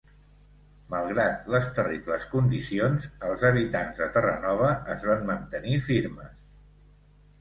Malgrat les terribles condicions, els habitants de Terranova es van mantenir firmes.